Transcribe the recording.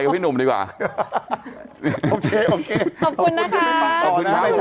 ขอบคุณค่ะครับครับ